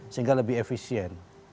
sehingga lebih efisien